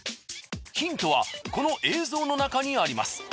ヒントはこの映像の中にあります。